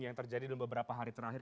yang terjadi dalam beberapa hari terakhir